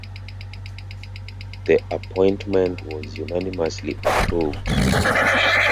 The appointment was unanimously approved.